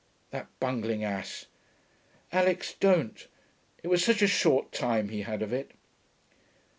That bungling ass.... Alix, don't: it was such a short time he had of it....'